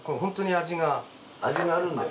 味があるんだよ。